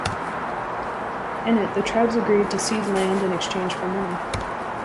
In it the tribes agreed to cede land in exchange for money.